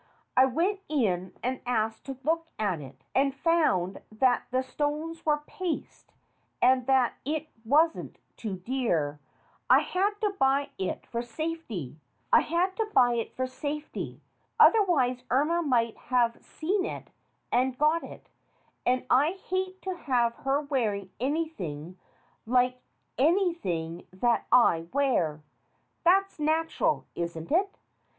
I went in and asked to look at it, and found that the stones were paste, and that it wasn't too dear. I had to buy it for safety. Otherwise Irma might have seen it and got it, and I hate to have her wearing anything like anything that I wear. That's natural, isn't it?